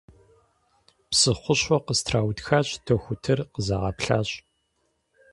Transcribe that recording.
Псы хущхъуэ къыстраутхащ, дохутыр къызагъэплъащ.